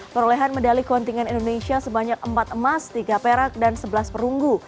perolehan medali kontingen indonesia sebanyak empat emas tiga perak dan sebelas perunggu